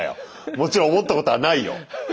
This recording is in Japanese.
もちろん思ったことはないよ。